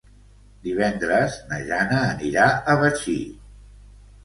Divendres na Jana anirà a Betxí.